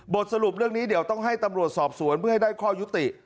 สรุปเรื่องนี้เดี๋ยวต้องให้ตำรวจสอบสวนเพื่อให้ได้ข้อยุติ